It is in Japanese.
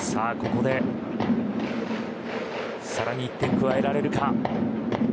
ここでさらに１点加えられるか。